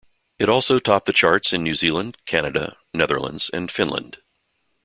It also topped the charts in New Zealand, Canada, Netherlands and Finland.